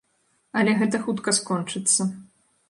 Але гэта хутка скончыцца.